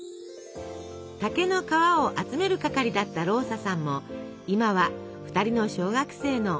竹の皮を集める係だったローサさんも今は２人の小学生のお母さん。